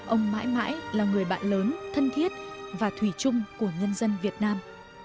ông mãi mãi là người bạn lớn thân thiết và thủy chung của nhân dân việt nam